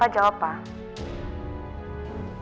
pak jawab pak